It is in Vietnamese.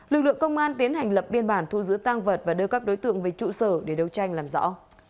lực lượng công an tiến hành lập biên bản thu giữ tăng vật và đưa các đối tượng về trụ sở để đấu tranh làm rõ